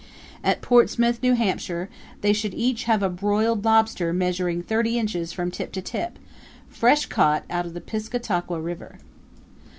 At Portsmouth, New Hampshire, they should each have a broiled lobster measuring thirty inches from tip to tip, fresh caught out of the Piscataqua River.